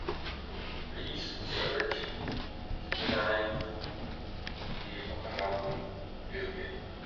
Please search Thirayum Theeravum video game.